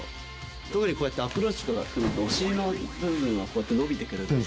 特にこうやってアプローチかかってくると、お尻の部分がこうやって伸びてくるので。